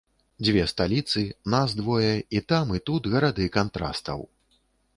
Дзве сталіцы, нас двое, і там і тут гарады кантрастаў.